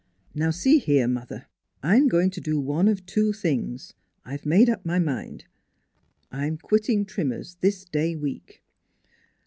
" Now see here, mother. I'm going to do one of two things. I've made up my mind. ... I'm quitting Trimmer's this day week."